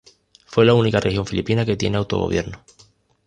Fue la única región filipina que tiene autogobierno.